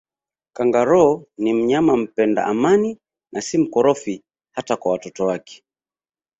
Kangaroo ni mnyama mpenda amani na si mkorofi hata kwa mtoto wake